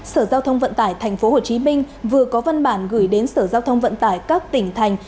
sở giao thông vận tải tp hcm vừa có văn bản gửi đến sở giao thông vận tải các tỉnh thành